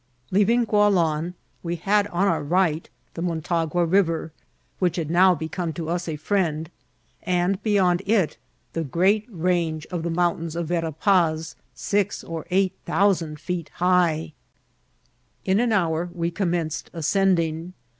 Leaving Gualan, we had cm our right the Motagua Biver, which had now become to us a friend, and be* yond it the great range of the mountains of Vera Paa, six or eight thousand feet higlu In an hour we com* menoed ascending.